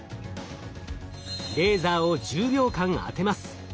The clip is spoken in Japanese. レーザーを１０秒間当てます。